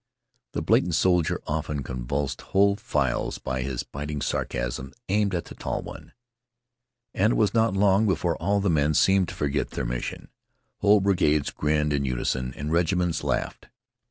The blatant soldier often convulsed whole files by his biting sarcasms aimed at the tall one. And it was not long before all the men seemed to forget their mission. Whole brigades grinned in unison, and regiments laughed.